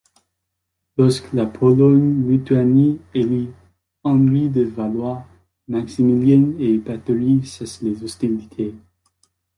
Lorsque la Pologne-Lituanie élit Henri de Valois, Maximilien et Báthory cessent les hostilités.